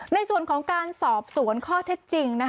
ในส่วนของการสอบสวนข้อเท็จจริง